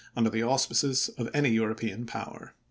' under the auspices of any European power."